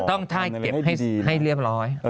ต้องถ้าเก็บให้เรียบร้อย